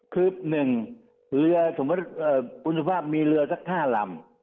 คือ๑เรือสมมุติคุณสุภาพมีเรือสัก๕ลำ